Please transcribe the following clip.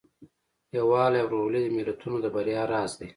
یووالی او ورورولي د ملتونو د بریا راز دی.